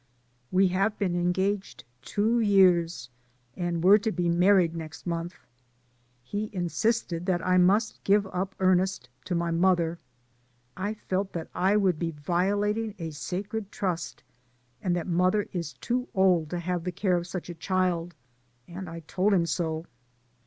"We have been engaged two years, and were to be married next month. He insisted 28 DAYS ON THE ROAD. that I must give up Ernest to mother. I felt that I would be violating a sacred trust, and that mother is too old to have the care of such a child, and I told him so.